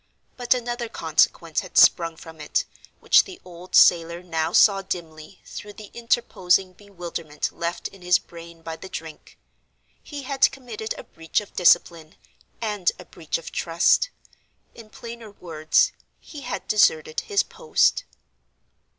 But another consequence had sprung from it, which the old sailor now saw dimly, through the interposing bewilderment left in his brain by the drink. He had committed a breach of discipline, and a breach of trust. In plainer words, he had deserted his post.